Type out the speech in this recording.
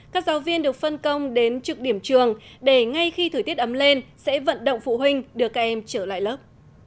các giáo viên được phân công đến trực điểm trường để ngay khi thời tiết ấm lên sẽ vận động phụ huynh đưa các em trở lại lớp